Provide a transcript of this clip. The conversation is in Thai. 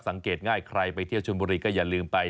สังเกตง่ายใครไปเที่ยวชนบุรีก็อย่าลืมไป